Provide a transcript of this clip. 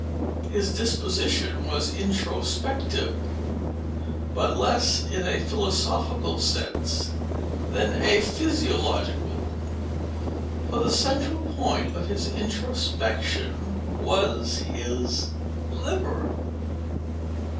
His disposition was introspective but less in a philosophical sense than a physiological, for the central point of his introspection was his liver.